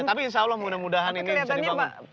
tapi insya allah mudah mudahan ini bisa dibangun